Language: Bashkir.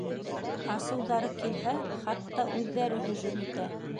Асыуҙары килһә, хатта, үҙҙәре һөжүм итә.